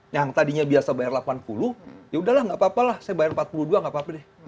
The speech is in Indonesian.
yang tadinya biasa bayar delapan puluh yaudahlah nggak apa apa lah saya bayar empat puluh dua nggak apa apa deh